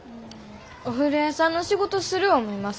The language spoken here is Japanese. お風呂屋さんの仕事する思います。